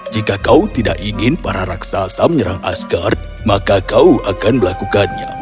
jika kau tidak ingin para raksasa menyerang asgard maka kau akan melakukannya